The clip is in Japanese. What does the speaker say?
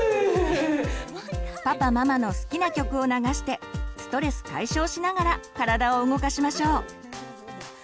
パパママの好きな曲を流してストレス解消しながら体を動かしましょう！